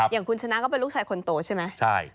อย่างคุณชนะก็เป็นลูกชายคนโตใช่ไหม